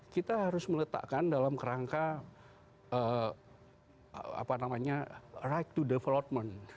kita harus meletakkan dalam kerangka right to development